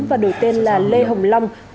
và đổi tên là lê hồng long